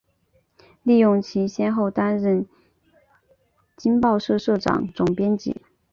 利用其先后担任新京报社社长、总编辑